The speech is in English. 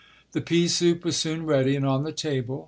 The pea soup was soon ready and on the table.